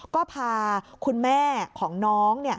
ก็พาคุณแม่ของน้อง